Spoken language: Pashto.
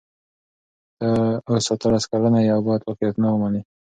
ته اوس اتلس کلنه یې او باید واقعیتونه ومنې.